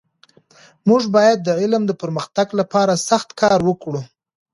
موږ باید د علم د پرمختګ لپاره سخته کار وکړو.